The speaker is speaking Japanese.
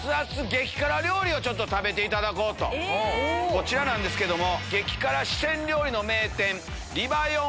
こちらなんですけども。